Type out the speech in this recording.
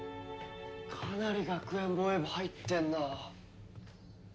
かなり学園防衛部入ってんな。